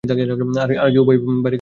আর কী উপায়ই বা রেখেছো আমার জন্য?